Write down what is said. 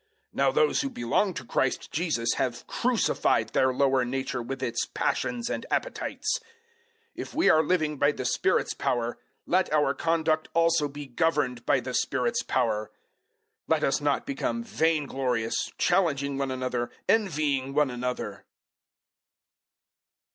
Now those who belong to Christ Jesus have crucified their lower nature with its passions and appetites. 005:025 If we are living by the Spirit's power, let our conduct also be governed by the Spirit's power. 005:026 Let us not become vain glorious, challenging one another, envying one another.